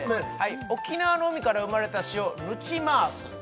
沖縄の海から生まれた塩ぬちまーす